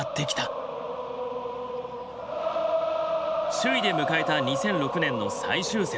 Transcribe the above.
首位で迎えた２００６年の最終節。